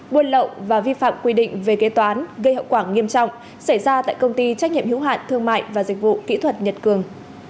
buôn lậu và vi phạm quy định về kế toán gây hậu quả nghiêm trọng xảy ra tại công ty trách nhiệm hiếu hạn thương mại và dịch vụ kỹ thuật nhật cường